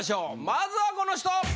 まずはこの人！